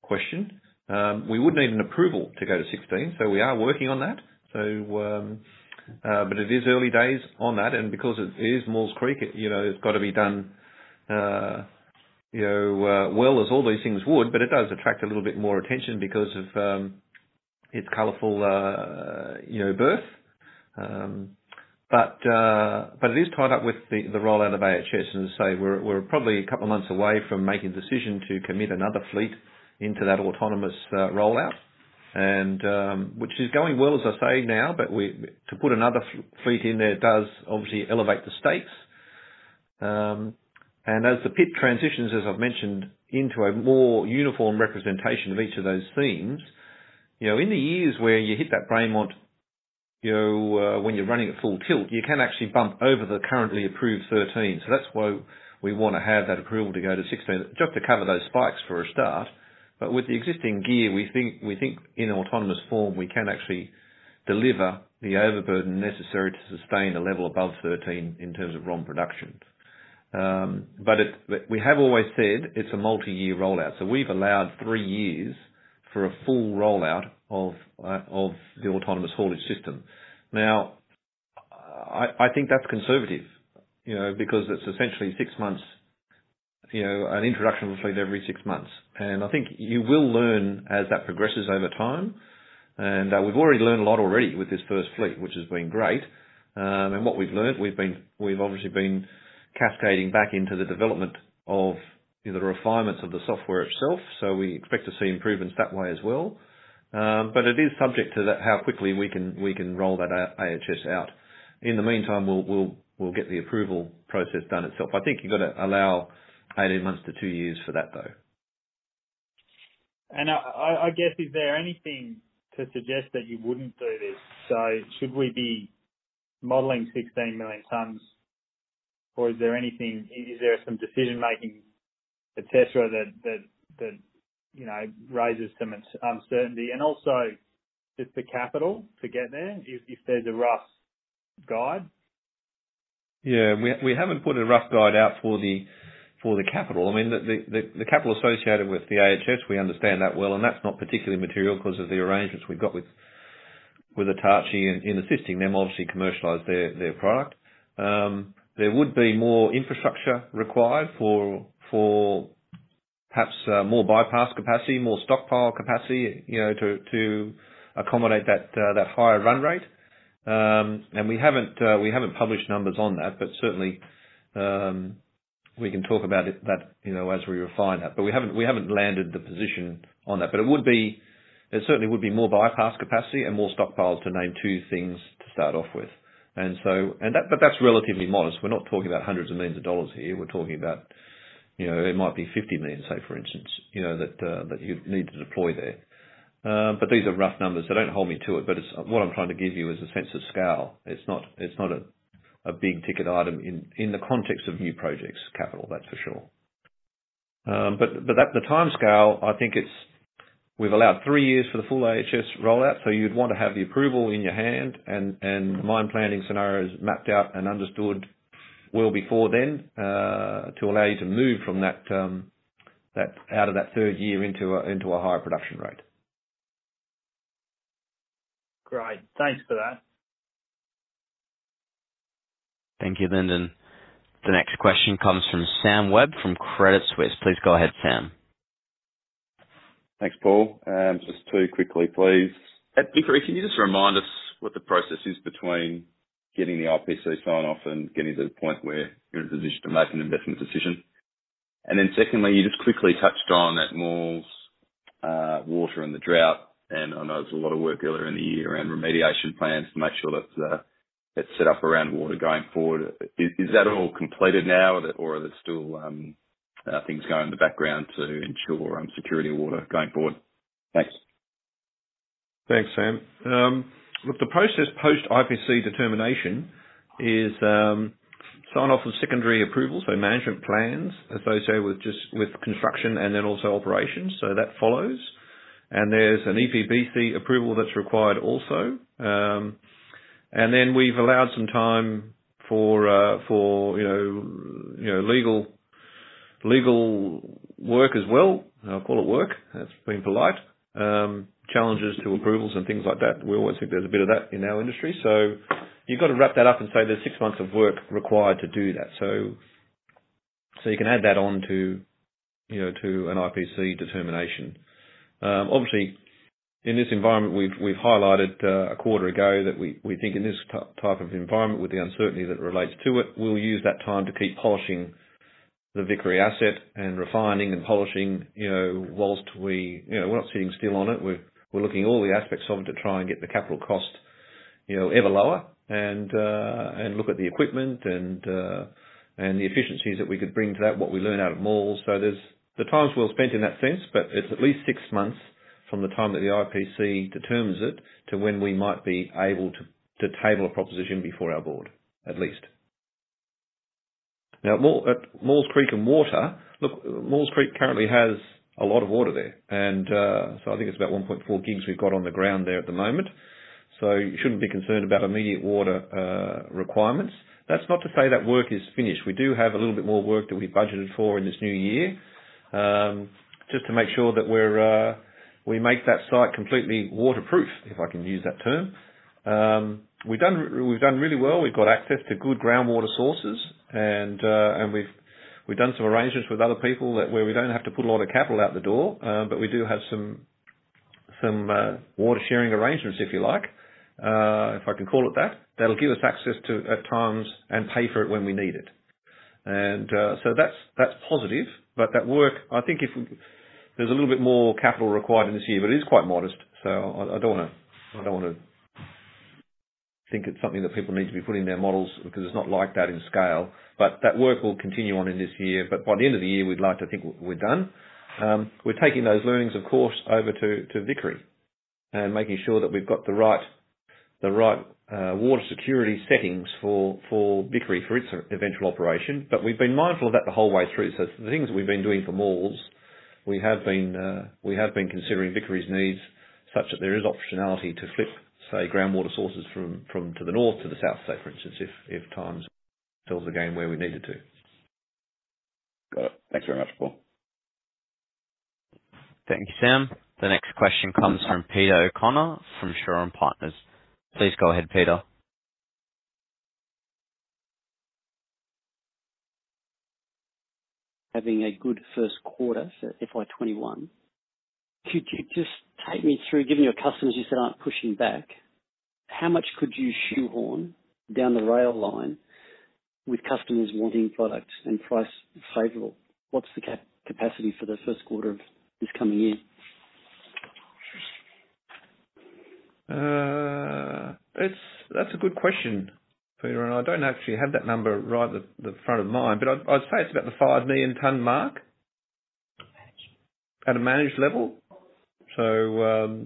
question. We would need an approval to go to 16, so we are working on that. But it is early days on that, and because it is Maules Creek, it's got to be done well as all these things would, but it does attract a little bit more attention because of its colorful birth. But it is tied up with the rollout of AHS. And as I say, we're probably a couple of months away from making a decision to commit another fleet into that autonomous rollout, which is going well, as I say now, but to put another fleet in there does obviously elevate the stakes. And as the pit transitions, as I've mentioned, into a more uniform representation of each of those seams, in the years where you hit that Braymont when you're running at full tilt, you can actually bump over the currently approved 13. So that's why we want to have that approval to go to 16, just to cover those spikes for a start. But with the existing gear, we think in autonomous form, we can actually deliver the overburden necessary to sustain a level above 13 in terms of ROM production. But we have always said it's a multi-year rollout. So we've allowed three years for a full rollout of the autonomous haulage system. Now, I think that's conservative because it's essentially six months, an introduction of a fleet every six months. And I think you will learn as that progresses over time. And we've already learned a lot already with this first fleet, which has been great. And what we've learned, we've obviously been cascading back into the development of the refinements of the software itself. So we expect to see improvements that way as well. But it is subject to how quickly we can roll that AHS out. In the meantime, we'll get the approval process done itself. I think you've got to allow 18 months to two years for that, though. And I guess, is there anything to suggest that you wouldn't do this? So should we be modeling 16 million tons, or is there some decision-making, etc., that raises some uncertainty? And also just the capital to get there, if there's a rough guide? Yeah, we haven't put a rough guide out for the capital. I mean, the capital associated with the AHS, we understand that well, and that's not particularly material because of the arrangements we've got with Hitachi in assisting them, obviously, commercialize their product. There would be more infrastructure required for perhaps more bypass capacity, more stockpile capacity to accommodate that higher run rate. And we haven't published numbers on that, but certainly, we can talk about that as we refine that. But we haven't landed the position on that. But it certainly would be more bypass capacity and more stockpiles to name two things to start off with. And that's relatively modest. We're not talking about hundreds of millions of AUD here. We're talking about it might be 50 million, say, for instance, that you'd need to deploy there. But these are rough numbers. They don't hold me to it, but what I'm trying to give you is a sense of scale. It's not a big ticket item in the context of new projects capital, that's for sure. But the time scale, I think we've allowed three years for the full AHS rollout. So you'd want to have the approval in your hand and mine planning scenarios mapped out and understood well before then to allow you to move out of that third year into a higher production rate. Great. Thanks for that. Thank you, Lyndon. The next question comes from Sam Webb from Credit Suisse. Please go ahead, Sam. Thanks, Paul. Just two quickly, please. Vickery, can you just remind us what the process is between getting the IPC sign-off and getting to the point where you're in a position to make an investment decision? And then secondly, you just quickly touched on that Maules water and the drought. And I know there's a lot of work earlier in the year around remediation plans to make sure that it's set up around water going forward. Is that all completed now, or are there still things going in the background to ensure security of water going forward? Thanks. Thanks, Sam. Look, the process post-IPC determination is sign-off of secondary approval, so management plans associated with construction and then also operations. So that follows. And there's an EPBC approval that's required also. And then we've allowed some time for legal work as well. I'll call it work. That's being polite. Challenges to approvals and things like that. We always think there's a bit of that in our industry. So you've got to wrap that up and say there's six months of work required to do that. So you can add that on to an IPC determination. Obviously, in this environment, we've highlighted a quarter ago that we think in this type of environment, with the uncertainty that relates to it, we'll use that time to keep polishing the Vickery asset and refining and polishing whilst we're not sitting still on it. We're looking at all the aspects of it to try and get the capital cost ever lower and look at the equipment and the efficiencies that we could bring to that, what we learn out of Maules. So there's the times we'll spend in that sense, but it's at least six months from the time that the IPC determines it to when we might be able to table a proposition before our board, at least. Now, at Maules Creek and water, look, Maules Creek currently has a lot of water there. And so I think it's about 1.4 gigs we've got on the ground there at the moment. So you shouldn't be concerned about immediate water requirements. That's not to say that work is finished. We do have a little bit more work that we've budgeted for in this new year just to make sure that we make that site completely waterproof, if I can use that term. We've done really well. We've got access to good groundwater sources, and we've done some arrangements with other people where we don't have to put a lot of capital out the door, but we do have some water-sharing arrangements, if you like, if I can call it that. That'll give us access to, at times, and pay for it when we need it. And so that's positive. But that work, I think there's a little bit more capital required in this year, but it is quite modest. So I don't want to think it's something that people need to be putting their models because it's not like that in scale. But that work will continue on in this year. But by the end of the year, we'd like to think we're done. We're taking those learnings, of course, over to Vickery and making sure that we've got the right water security settings for Vickery for its eventual operation. But we've been mindful of that the whole way through. So the things that we've been doing for Maules, we have been considering Vickery's needs such that there is optionality to flip, say, groundwater sources from to the north to the south, say, for instance, if times fills the game where we need it to. Got it. Thanks very much, Paul. Thank you, Sam. The next question comes from Peter O'Connor from Shaw and Partners. Please go ahead, Peter. Having a good first quarter for FY21, could you just take me through, given your customers you said aren't pushing back? How much could you shoehorn down the rail line with customers wanting product and price favorable? What's the capacity for the first quarter of this coming year? That's a good question, Peter. And I don't actually have that number right at the front of mind, but I'd say it's about the five million-ton mark at a managed level. So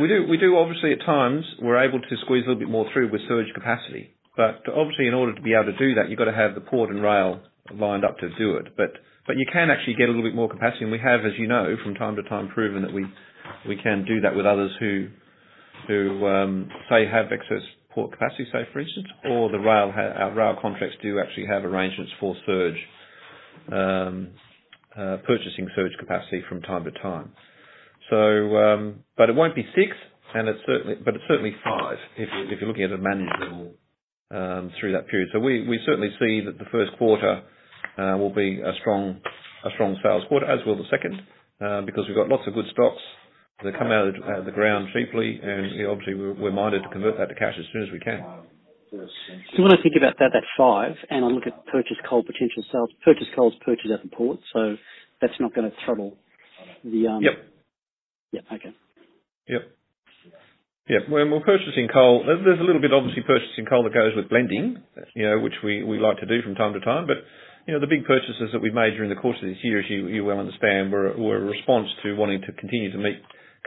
we do, obviously, at times, we're able to squeeze a little bit more through with surge capacity. But obviously, in order to be able to do that, you've got to have the port and rail lined up to do it. But you can actually get a little bit more capacity. And we have, as you know, from time to time, proven that we can do that with others who, say, have excess port capacity, say, for instance, or the rail contracts do actually have arrangements for purchasing surge capacity from time to time. But it won't be six, but it's certainly five if you're looking at a managed level through that period. We certainly see that the first quarter will be a strong sales quarter, as will the second, because we've got lots of good stocks that come out of the ground cheaply. Obviously, we're minded to convert that to cash as soon as we can. When I think about that at five and I look at purchased coal potential sales, purchased coal's purchased at the port, so that's not going to trouble the. Yep. Yep. Okay. Yep. Yeah. When we're purchasing coal, there's a little bit, obviously, purchasing coal that goes with blending, which we like to do from time to time. But the big purchases that we've made during the course of this year, as you well understand, were a response to wanting to continue to meet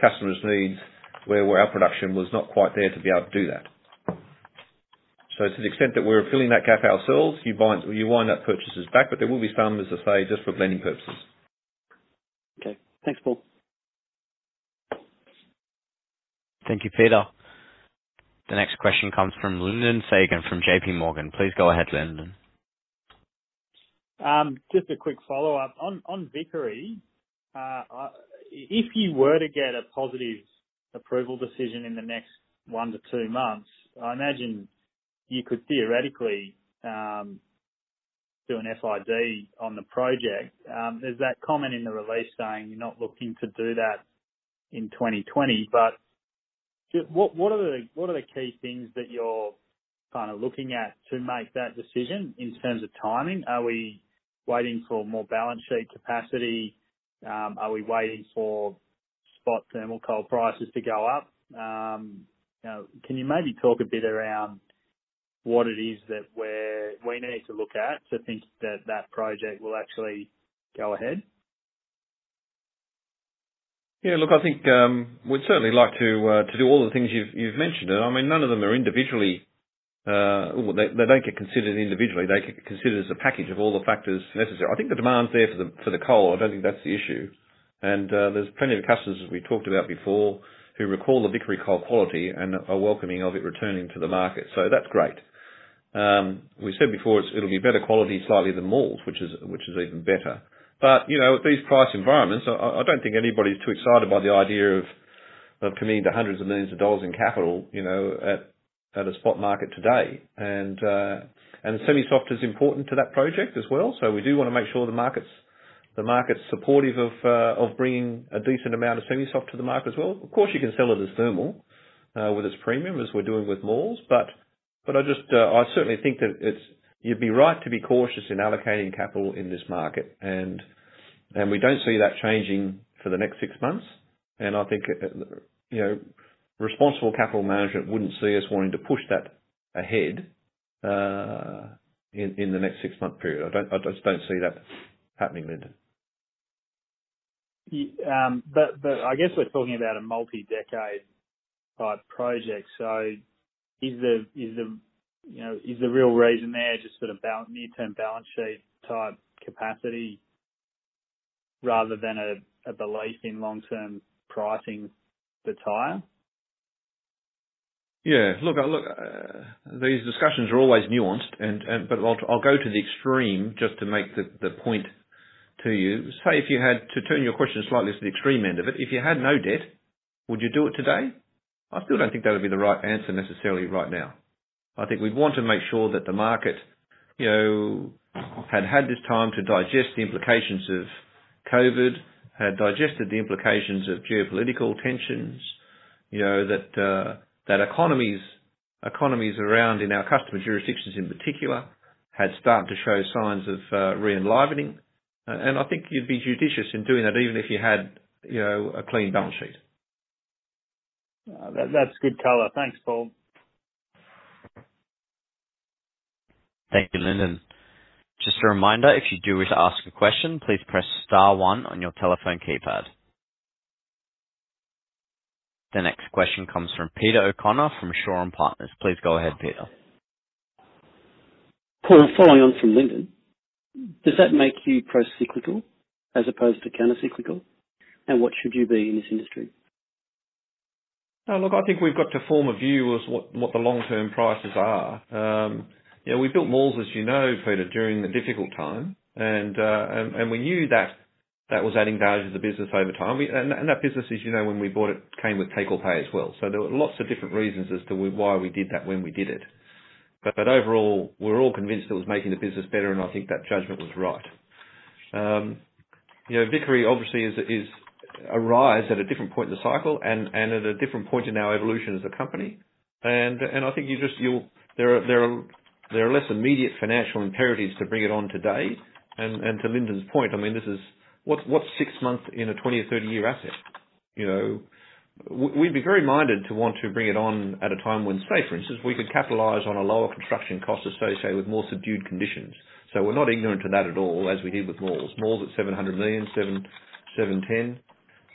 customers' needs where our production was not quite there to be able to do that. So to the extent that we're filling that gap ourselves, you wind up purchases back, but there will be some, as I say, just for blending purposes. Okay. Thanks, Paul. Thank you, Peter. The next question comes from Lyndon Fagan from J.P. Morgan. Please go ahead, Lyndon. Just a quick follow-up. On Vickery, if you were to get a positive approval decision in the next one to two months, I imagine you could theoretically do an FID on the project. There's that comment in the release saying you're not looking to do that in 2020. But what are the key things that you're kind of looking at to make that decision in terms of timing? Are we waiting for more balance sheet capacity? Are we waiting for spot thermal coal prices to go up? Can you maybe talk a bit around what it is that we need to look at to think that that project will actually go ahead? Yeah. Look, I think we'd certainly like to do all the things you've mentioned. And I mean, none of them are individually. They don't get considered individually. They get considered as a package of all the factors necessary. I think the demand's there for the coal. I don't think that's the issue. And there's plenty of customers, as we talked about before, who recall the Vickery coal quality and are welcoming of it returning to the market. So that's great. We said before it'll be better quality slightly than Maules, which is even better. But at these price environments, I don't think anybody's too excited by the idea of committing to hundreds of millions of dollars in capital at a spot market today. And semi-soft is important to that project as well. So we do want to make sure the market's supportive of bringing a decent amount of semi-soft to the market as well. Of course, you can sell it as thermal with its premium, as we're doing with Maules. But I certainly think that you'd be right to be cautious in allocating capital in this market. And we don't see that changing for the next six months. And I think responsible capital management wouldn't see us wanting to push that ahead in the next six-month period. I just don't see that happening, Lyndon. But I guess we're talking about a multi-decade-type project. So is the real reason there just sort of near-term balance sheet type capacity rather than a belief in long-term pricing the higher? Yeah. Look, these discussions are always nuanced. But I'll go to the extreme just to make the point to you. Say if you had to turn your question slightly to the extreme end of it, if you had no debt, would you do it today? I still don't think that would be the right answer necessarily right now. I think we'd want to make sure that the market had had this time to digest the implications of COVID, had digested the implications of geopolitical tensions, that economies around in our customer jurisdictions in particular had started to show signs of re-enlivening, and I think you'd be judicious in doing that even if you had a clean balance sheet. That's good color. Thanks, Paul. Thank you, Lyndon. Just a reminder, if you do wish to ask a question, please press star one on your telephone keypad. The next question comes from Peter O'Connor from Shaw and Partners. Please go ahead, Peter. Paul, following on from Lyndon, does that make you procyclical as opposed to countercyclical, and what should you be in this industry? Look, I think we've got to form a view as to what the long-term prices are. We built Maules, as you know, Peter, during the difficult time, and we knew that that was adding value to the business over time, and that business, as you know, when we bought it, came with take-or-pay as well. So there were lots of different reasons as to why we did that when we did it. But overall, we were all convinced it was making the business better, and I think that judgment was right. Vickery, obviously, arrives at a different point in the cycle and at a different point in our evolution as a company, and I think there are less immediate financial imperatives to bring it on today, and to Lyndon's point, I mean, what's six months in a 20 or 30-year asset? We'd be very minded to want to bring it on at a time when, say, for instance, we could capitalize on a lower construction cost associated with more subdued conditions. So we're not ignorant of that at all, as we did with Maules. Maules at 700 million-710 million.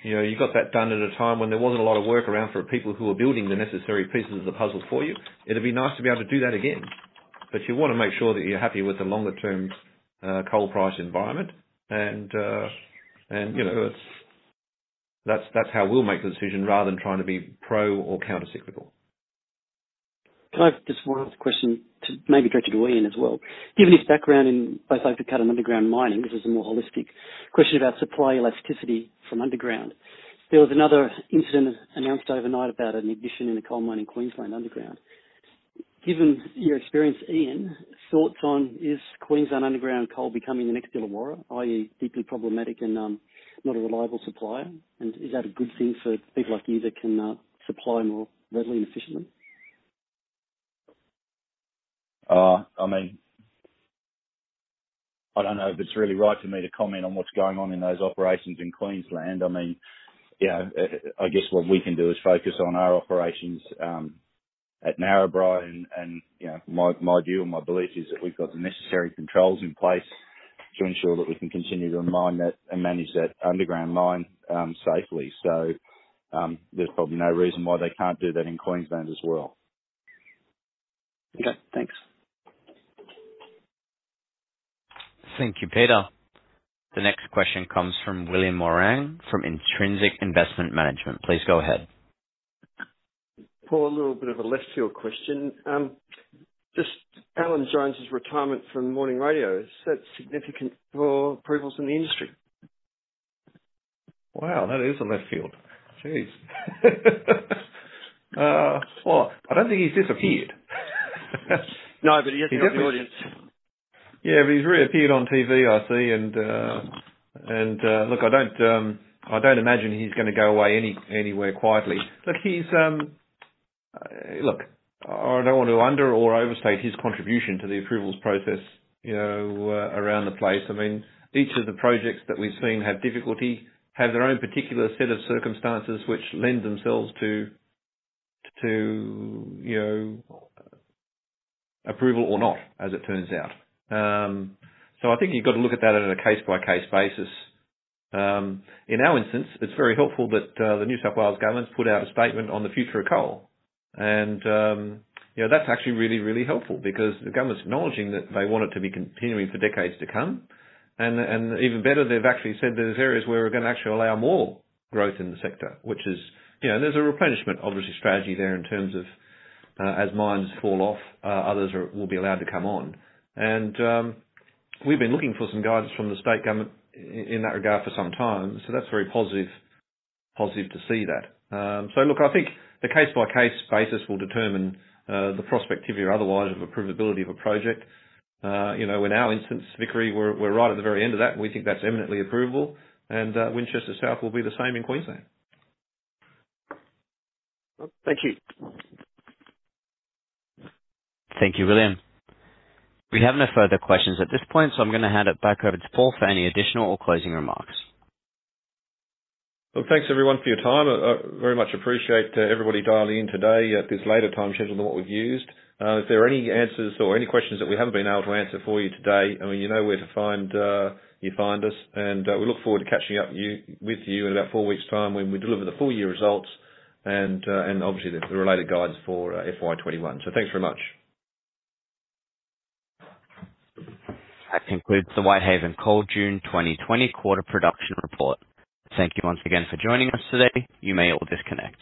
You got that done at a time when there wasn't a lot of work around for people who were building the necessary pieces of the puzzle for you. It'd be nice to be able to do that again. But you want to make sure that you're happy with the longer-term coal price environment. That's how we'll make the decision rather than trying to be pro or countercyclical. Can I just ask one question maybe directed to Ian as well? Given his background in underground mining, this is a more holistic question about supply elasticity from underground. There was another incident announced overnight about an ignition in a coal mine in Queensland underground. Given your experience, Ian, thoughts on, is Queensland underground coal becoming the next Illawarra, i.e., deeply problematic and not a reliable supplier? And is that a good thing for people like you that can supply more readily and efficiently? I mean, I don't know if it's really right for me to comment on what's going on in those operations in Queensland. I mean, I guess what we can do is focus on our operations at Narrabri, and my view and my belief is that we've got the necessary controls in place to ensure that we can continue to mine that and manage that underground mine safely, so there's probably no reason why they can't do that in Queensland as well. Okay. Thanks. Thank you, Peter. The next question comes from William Moran from Intrinsic Investment Management. Please go ahead. Paul, a little bit of a left-field question. Just Alan Jones's retirement from morning radio has set significant poor approvals in the industry. Wow, that's left field. Jeez. Well, I don't think he's disappeared. No, but he is now in the audience. Yeah, but he's reappeared on TV, I see. And look, I don't imagine he's going to go away anywhere quietly. Look, I don't want to under or overstate his contribution to the approvals process around the place. I mean, each of the projects that we've seen have difficulty, have their own particular set of circumstances which lend themselves to approval or not, as it turns out. So I think you've got to look at that on a case-by-case basis. In our instance, it's very helpful that the New South Wales government's put out a statement on the future of coal. And that's actually really, really helpful because the government's acknowledging that they want it to be continuing for decades to come. Even better, they've actually said there's areas where we're going to actually allow more growth in the sector, which is a replenishment, obviously, strategy there in terms of, as mines fall off, others will be allowed to come on. We've been looking for some guidance from the state government in that regard for some time. That's very positive to see that. Look, I think the case-by-case basis will determine the prospectivity or otherwise of approval of a project. In our instance, Vickery, we're right at the very end of that. We think that's eminently approvable. Winchester South will be the same in Queensland. Thank you. Thank you, William. We have no further questions at this point, so I'm going to hand it back over to Paul for any additional or closing remarks. Thanks, everyone, for your time. I very much appreciate everybody dialing in today at this later time schedule than what we've used. If there are any answers or any questions that we haven't been able to answer for you today, I mean, you know where to find us. We look forward to catching up with you in about four weeks' time when we deliver the full-year results and, obviously, the related guidance for FY21. Thanks very much. That concludes the Whitehaven Coal June 2020 Quarter Production Report. Thank you once again for joining us today. You may all disconnect.